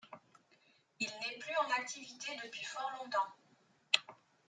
Il n'est plus en activité depuis fort longtemps.